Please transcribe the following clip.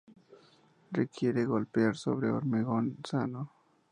Requiere golpear sobre hormigón sano.